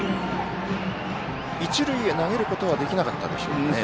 一塁へ投げることはできなかったでしょうか。